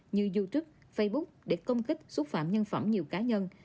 như youtube facebook để công kích xúc phạm nhân phẩm nhiều cá nhân